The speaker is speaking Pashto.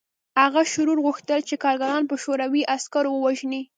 هغه شرور غوښتل چې کارګران په شوروي عسکرو ووژني